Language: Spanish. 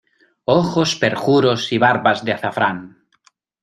¡ ojos perjuros y barbas de azafrán!